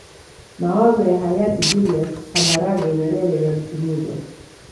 mawazo ya hayati julius kambarage nyerere yalitimizwa